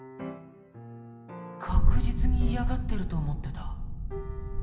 確実に嫌がってると思ってた。